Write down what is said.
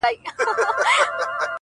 هغه ياغي شاعر غزل وايي ټپه نه کوي,